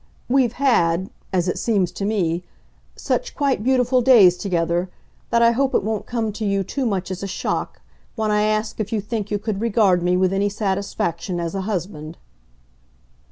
"We've had, as it seems to me, such quite beautiful days together, that I hope it won't come to you too much as a shock when I ask if you think you could regard me with any satisfaction as a husband."